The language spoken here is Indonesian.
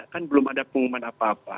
kan belum ada pengumuman apa apa